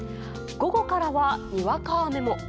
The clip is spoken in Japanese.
午後からは、にわか雨も。